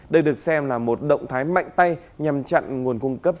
đây được xem là một động thái mạnh tay nhằm chặn nguồn cung cấp